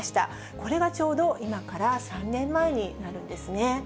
これがちょうど今から３年前になるんですね。